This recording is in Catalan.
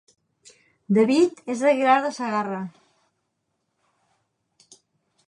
David és d'Aguilar de Segarra